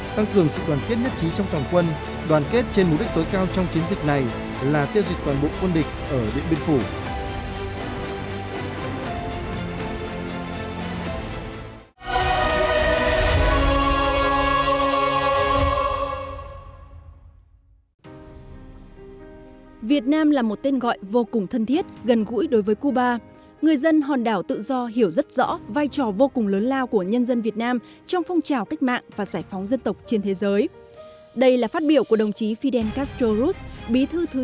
tăng cường sự đoàn kết nhất trí trong toàn quân đoàn kết trên mục đích tối cao trong chiến dịch này là tiêu diệt toàn bộ quân địch ở địa biên phủ